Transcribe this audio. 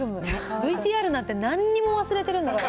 ＶＴＲなんてなんにも忘れてるんだから。